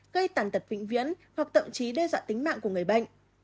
gây tàn tật vĩnh viễn hoặc thậm chí đe dọa tính mạng của người bệnh